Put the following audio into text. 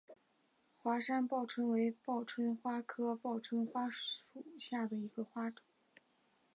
华山报春为报春花科报春花属下的一个种。